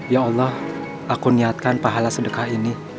ya allah aku niatkan pahala sedekah ini